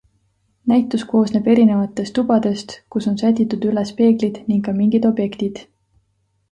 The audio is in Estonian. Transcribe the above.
Näitus koosneb erinevatest tubadest, kus on sätitud üles peeglid ning ka mingid objektid.